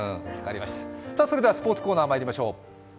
それではスポーツコーナーまいりましょう。